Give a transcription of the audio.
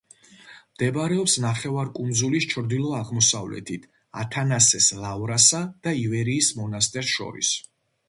მდებარეობს ნახევარკუნძულის ჩრდილო-აღმოსავლეთით, ათანასეს ლავრასა და ივერიის მონასტერს შორის.